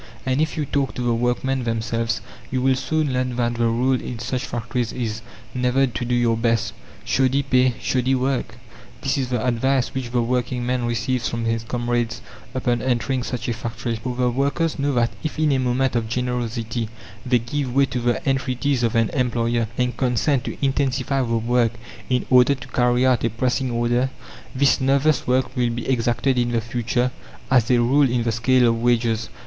And if you talk to the workmen themselves, you will soon learn that the rule in such factories is never to do your best. "Shoddy pay shoddy work!" this is the advice which the working man receives from his comrades upon entering such a factory. For the workers know that if in a moment of generosity they give way to the entreaties of an employer and consent to intensify the work in order to carry out a pressing order, this nervous work will be exacted in the future as a rule in the scale of wages.